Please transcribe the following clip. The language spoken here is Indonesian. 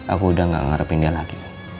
aku udah gak ngerepin dia lagi